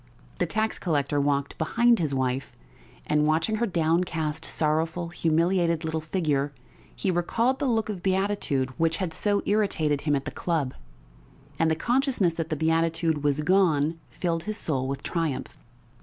The tax collector walked behind his wife, and watching her downcast, sorrowful, humiliated little figure, he recalled the look of beatitude which had so irritated him at the club, and the consciousness that the beatitude was gone filled his soul with triumph.